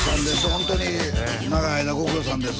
ホントに長い間ご苦労さんです